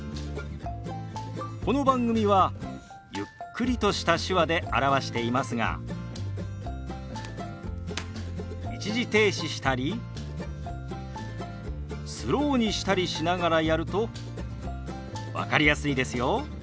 この番組はゆっくりとした手話で表していますが一時停止したりスローにしたりしながらやると分かりやすいですよ。